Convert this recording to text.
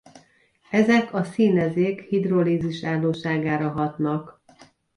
Ezek a színezék hidrolízis-állóságára hatnak.